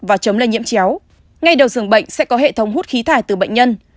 và chấm lên nhiễm chéo ngay đầu dường bệnh sẽ có hệ thống hút khí thải từ bệnh nhân